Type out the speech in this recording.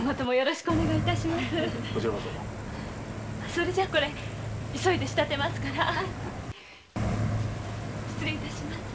それじゃこれ急いで仕立てますから失礼致します。